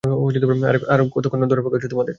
আরে কতোক্ষণ ধরে অপেক্ষা করছি তোমাদের!